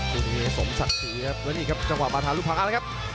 ตัวนี้สมศักดิ์สิครับแล้วนี่ครับจังหวะมาทางรูปภังเอาละครับ